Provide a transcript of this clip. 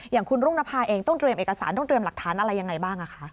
อย่างคุณรุ่งนภาเองต้องเตรียมเอกสารต้องเตรียมหลักฐานอะไรยังไงบ้าง